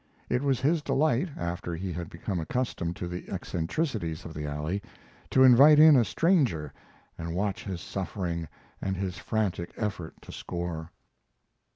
It was his delight, after he had become accustomed to the eccentricities of the alley, to invite in a stranger and watch his suffering and his frantic effort to score.